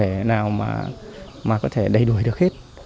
không thể nào mà có thể đầy đổi được hết